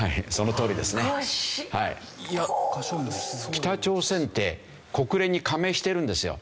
北朝鮮って国連に加盟してるんですよ。